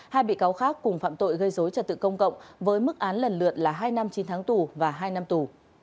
hai bị cáo khác cùng phạm tội gây dối trật tự công cộng với mức án lần lượt là hai năm chín tháng tù và hai năm tù